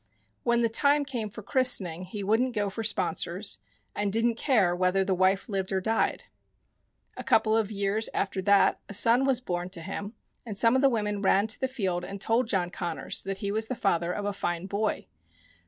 When the time came for christening he wouldn't go for sponsors, and. didn't care whether the wife lived or died. A couple of years after that a son was born to him, and some of the women ran to the field and told John Connors that he was the father of a fine boy.